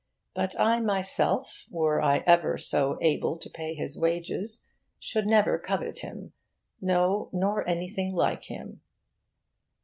But I myself, were I ever so able to pay his wages, should never covet him no, nor anything like him.